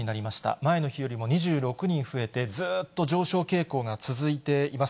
前の日よりも２６人増えて、ずーっと上昇傾向が続いています。